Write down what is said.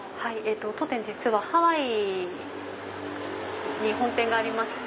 当店実はハワイに本店がありまして。